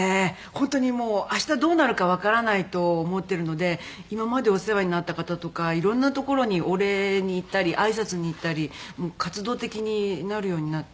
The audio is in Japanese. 本当にもうあしたどうなるかわからないと思ってるので今までお世話になった方とか色んな所にお礼に行ったり挨拶に行ったり活動的になるようになって。